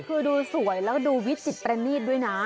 คือดูสวยแล้วก็ดูวิจิตรแปลนีดด้วยนะ